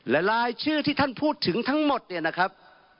และรายชื่อที่ท่านพูดถึงทั้งหมดเนี่ยนะครับ